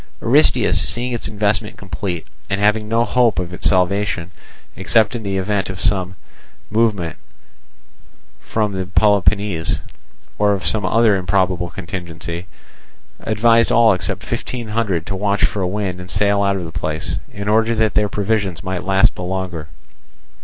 Aristeus, seeing its investment complete, and having no hope of its salvation, except in the event of some movement from the Peloponnese, or of some other improbable contingency, advised all except five hundred to watch for a wind and sail out of the place, in order that their provisions might last the longer.